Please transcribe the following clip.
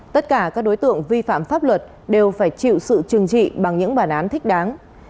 tất cả các đối tượng vi phạm pháp luật đều phải chịu sự trừng trị bằng những bản án thích đáng